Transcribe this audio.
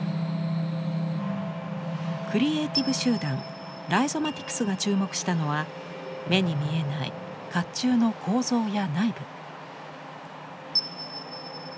クリエイティブ集団ライゾマティクスが注目したのは目に見えない甲冑の構造や内部。